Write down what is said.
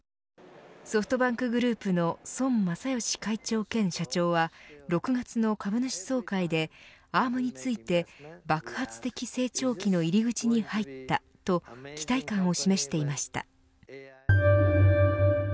ソフトバンクグループの孫正義会長兼社長は６月の株主総会でアームについて爆発的成長期の入り口に入ったと期待感を示していました。